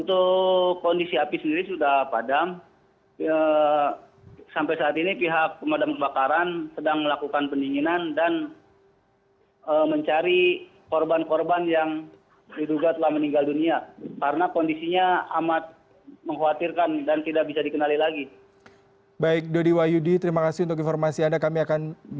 untuk kondisi api sendiri sudah padam